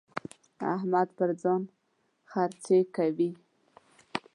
احمد پر ځان خرڅې کوي.